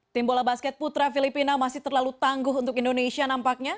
tim bola basket putra filipina masih terlalu tangguh untuk indonesia nampaknya